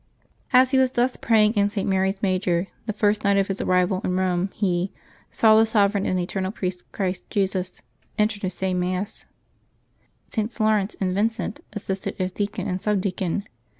As he was thus praying in St. Mary Major's^ the first night of his arrival in Rome, he '^ saw the Sovereign and Eternal Priest Christ Jesus " enter to say Mass. Sts. Laurence and Vincent assisted as deacon and sub deacon.